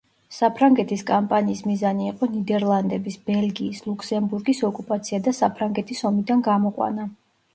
საფრანგეთის კამპანიის მიზანი იყო ნიდერლანდების, ბელგიის, ლუქსემბურგის ოკუპაცია და საფრანგეთის ომიდან გამოყვანა.